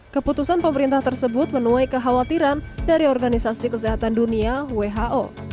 keputusan pemerintah tersebut menuai kekhawatiran dari organisasi kesehatan dunia who